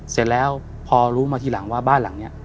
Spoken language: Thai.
เสร็จแล้วพอรู้มาทีหลังว่าบ้านหลังนี้